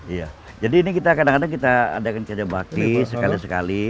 iya jadi ini kita kadang kadang kita adakan cara bakti sekali sekali